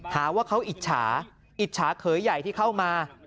หาว่าเขาอิจฉาอิจฉาเขยใหญ่ที่เข้ามา